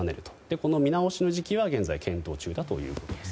この見直しの時期は現在検討中だということです。